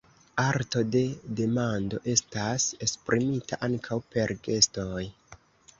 Arto de demando estas esprimita ankaŭ per gestoj.